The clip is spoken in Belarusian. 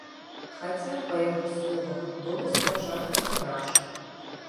Хаця, па яго словах, было спачатку страшна.